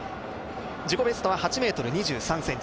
自己ベストは８ｍ２３ｃｍ。